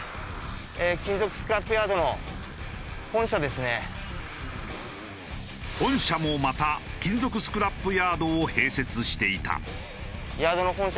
本社もまた金属スクラップヤードを併設していた。